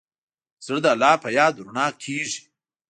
زړه د الله په یاد رڼا کېږي.